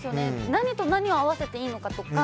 何と何を合わせていいのかとか。